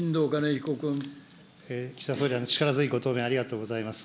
岸田総理、力強いご答弁、ありがとうございます。